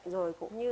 rồi cũng như